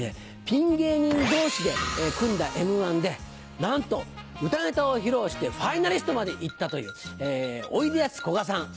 ピン芸人同士で組んだ『Ｍ−１』でなんと歌ネタを披露してファイナリストまで行ったというおいでやすこがさん。